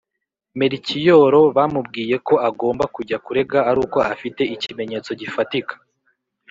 merikiyoro bamubwiye ko agomba kujya kurega aruko afite ikimenyetso gifatika